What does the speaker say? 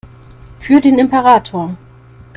Für den Imperator!